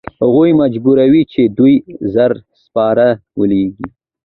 هغوی مجبوروي چې درې زره سپاره ولیږي.